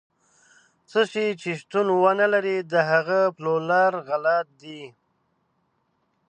څه شی چې شتون ونه لري، د هغه پلورل غلط دي.